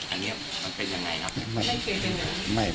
อันนี้มันเป็นยังไงครับ